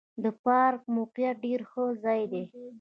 د پارک موقعیت ډېر ښه ځای دی.